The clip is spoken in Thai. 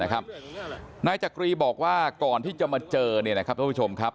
นายจ่ากรีบอกว่าก่อนที่จะมาเจอนี่นะครับท่านผู้ชมครับ